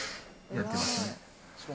やってますね。